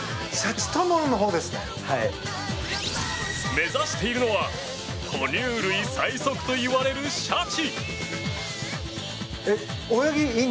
目指しているのは哺乳類最速といわれるシャチ。